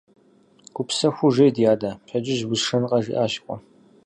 – Гупсэхуу жей, ди адэ, пщэдджыжь усшэнкъэ, – жиӏащ и къуэм.